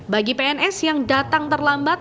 bagi pns yang datang terlambat